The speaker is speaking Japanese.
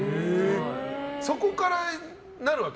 そこからなるわけ？